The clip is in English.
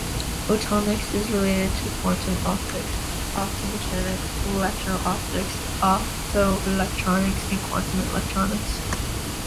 Photonics is related to quantum optics, optomechanics, electro-optics, optoelectronics and quantum electronics.